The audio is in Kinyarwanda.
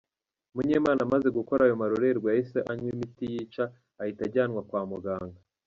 Munyemana amaze gukora ayo marorerwa yahise anywa imiti yica, ahita ajyanwa kwa muganga.